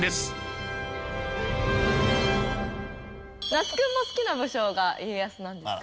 那須君も好きな武将が家康なんですか？